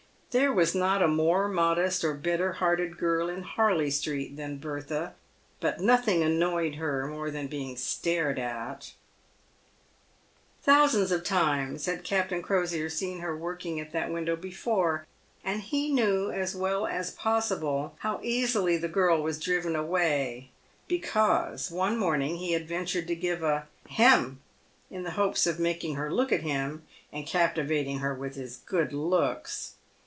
There was not a more modest or better hearted girl in Harley street than Bertha, but nothing annoyed her more than being stared at. Thousands of times had Captain Crosier seen her working at that window before, and he knew as well as possible how easily the girl was driven away, hecause one morning he had ventured to give a "hem !" in the hopes of making her look at him, and captivating her with his good looks.